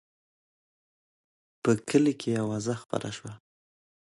په کلي کې اوازه خپره شوه.